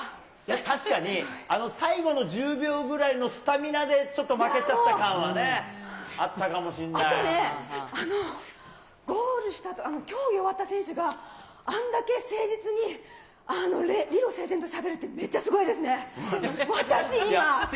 確かに、あの最後の１０秒ぐらいのスタミナでちょっと負けちゃった感はね、あとね、ゴールしたあと、競技終わった選手があんだけ誠実に、理路整然としゃべるって、めっちゃすごいですね。